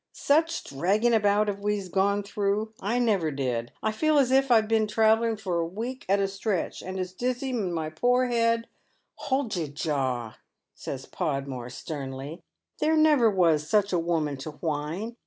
"Such dragging about as we've gone thi ough, I never did. I feel as if I'd been travellin' for a week at a stretch — and as dizey in my poor head "" Hold your jaw I " says Podmore, sternly ; "there never was Buch a woman to whine.